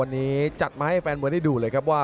นั่นก็คือ